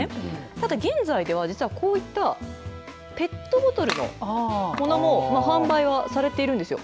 ただ現在では実はこういったペットボトルのものも販売はされているんですよ。